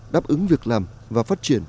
đáp ứng việc làm và phát triển